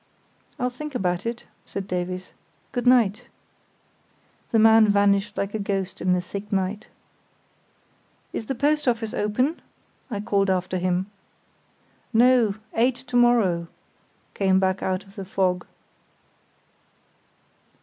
"I'll think about it," said Davies. "Good night." The man vanished like a ghost in the thick night. "Is the post office open?" I called after him. "No; eight to morrow," came back out of the fog.